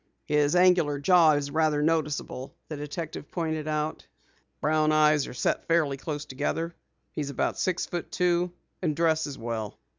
"His angular jaw is rather noticeable," the detective pointed out. "Brown eyes are set fairly close together. He's about six feet two and dresses well."